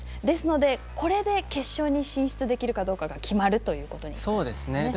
ですので、これで決勝に進出できるかどうかが決まるということになりますね。